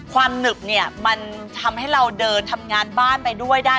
หนึบเนี่ยมันทำให้เราเดินทำงานบ้านไปด้วยได้